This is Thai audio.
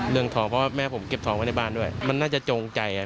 เรื่องทองเพราะว่าแม่ผมเก็บทองไว้ในบ้านด้วยมันน่าจะจงใจ